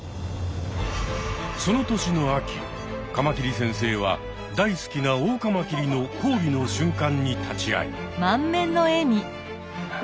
その年の秋カマキリ先生は大好きなオオカマキリの交尾の瞬間に立ち会い。